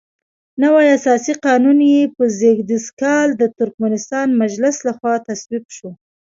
نوی اساسي قانون یې په زېږدیز کال د ترکمنستان مجلس لخوا تصویب شو.